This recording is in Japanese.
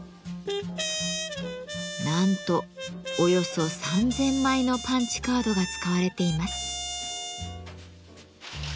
なんとおよそ３，０００枚のパンチカードが使われています。